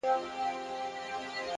هره پوښتنه د نوې دروازې کلی ده!.